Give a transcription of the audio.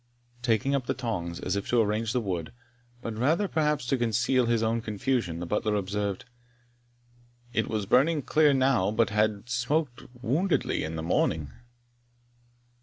Taking up the tongs, as if to arrange the wood, but rather perhaps to conceal his own confusion, the butler observed, "it was burning clear now, but had smoked woundily in the morning."